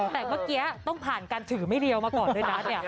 แต่เมื่อกี้ต้องผ่านการถือไม่เดียวมาก่อนด้วยนะ